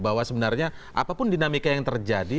bahwa sebenarnya apapun dinamika yang terjadi